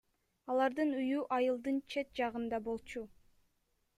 Алардын үйү айылдын чет жагында болчу.